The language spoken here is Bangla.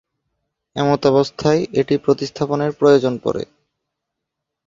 এমতাবস্থায় এটি প্রতিস্থাপনের প্রয়োজন পড়ে।